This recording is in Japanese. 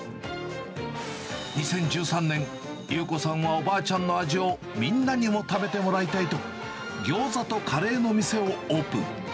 ２０１３年、裕子さんはおばあちゃんの味をみんなにも食べてもらいたいと、ギョーザとカレーの店をオープン。